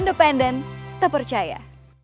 gak berjaya dia nanya